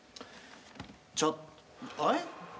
ちょえっ？